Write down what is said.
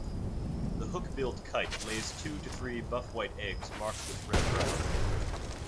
The hook-billed kite lays two to three buff-white eggs marked with red-brown.